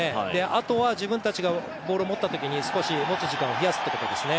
あとは自分たちがボールを持ったときに少し持つ時間を増やすということですね。